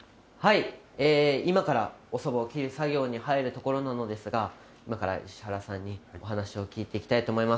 今からおそばを切る作業に入るところなのですが、今から石原さんにお話を聞いていきたいと思います。